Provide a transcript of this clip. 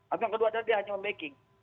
atau yang kedua adalah dia hanya membacking